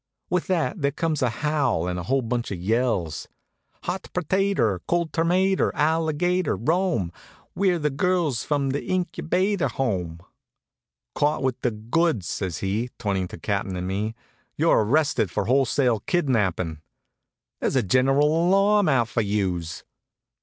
With that there comes a howl, and the whole bunch yells: Hot pertater cold termater alligater Rome! We're the girls from the Incubator Home! "Caught with the goods!" says he, turnin' to the Cap'n and me. "You're arrested for wholesale kidnappin'. There's a general alarm out for youse."